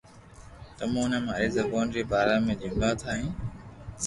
تموني نو ماري زبون ري بارا ۾ جملا ٺائين